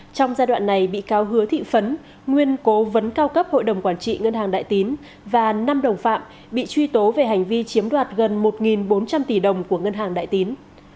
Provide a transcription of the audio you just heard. trong giai đoạn này bị cáo hứa thị phấn nguyên cố vấn cao cấp hội đồng quản trị ngân hàng đại tín và năm đồng phạm bị truy tố về hành vi chiếm đoạt gần một bốn trăm linh tỷ đồng của ngân hàng đại tín